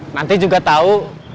nanti juga tau